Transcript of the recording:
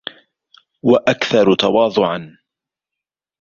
وَأَكْثَرُ تَوَاضُعًا